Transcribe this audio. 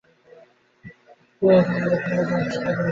তিনি যে বকরিগুলো চরাতেন সেগুলো ছিল বনি সা'দ গোত্রের।